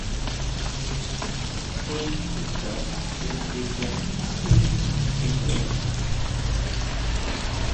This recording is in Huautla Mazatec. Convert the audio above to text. Nkjín chuta xi kité sʼí mikʼien.